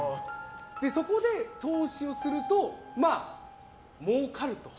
そこで投資をするともうかると。